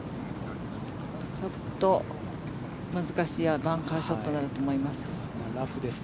ちょっと難しいバンカーショットになると思います。